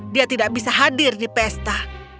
dia tidak bisa hadir di pesta